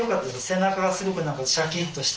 背中がすごく何かシャキッとして。